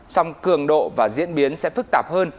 song cường độ và diễn biến sẽ phức tạp hơn